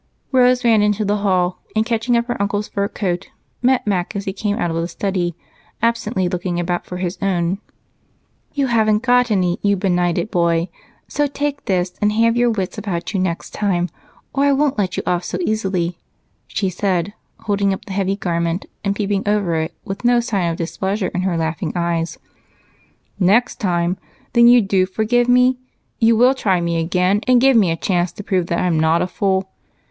Rose ran into the hall, and catching up her uncle's fur coat, met Mac as he came out of the study, absently looking about for his own. "You haven't any, you benighted boy! So take this, and have your wits about you next time or I won't let you off so easily," she said, holding up the heavy garment and peeping over it, with no sign of displeasure in her laughing eyes. "Next time! Then you do forgive me? You will try me again, and give me a chance to prove that I'm not a fool?"